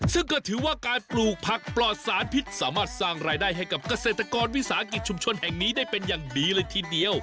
ซึ่งก็ถือว่าการปลูกผักปลอดสารพิษสามารถสร้างรายได้ให้กับเกษตรกรวิสาหกิจชุมชนแห่งนี้ได้เป็นอย่างดีเลยทีเดียว